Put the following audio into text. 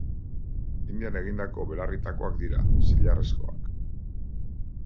Indian egindako belarritakoak dira, zilarrezkoak.